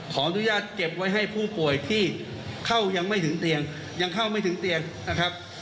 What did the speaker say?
ขออนุญาตเก็บไว้ให้ผู้ป่วยที่เข้ายังไม่ถึงเตียงยังเข้าไม่ถึงเตียงนะครับ